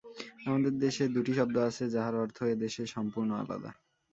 আমাদের দেশে দুটি শব্দ আছে যাহার অর্থ এদেশে সম্পূর্ণ আলাদা।